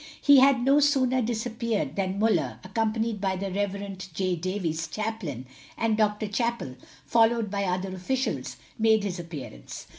He had no sooner disappeared than Muller, accompanied by the Rev. J. Davis, chaplain, and Dr. Cappell, followed by other officials, made his appearance.